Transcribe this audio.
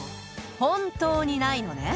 本当にないのね？